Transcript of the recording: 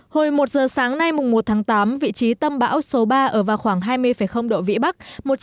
hồi một giờ sáng nay một tháng tám vị trí tâm bão số ba ở vào khoảng hai mươi độ vĩ bắc